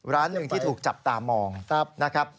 ร้านหนึ่งที่ถูกจับตามองนะครับ